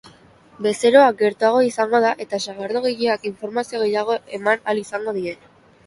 Bezeroa gertuago izango da eta sagardogileak informazio gehiago eman ahal izango die.